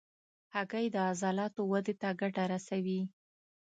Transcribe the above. هګۍ د عضلاتو ودې ته ګټه رسوي.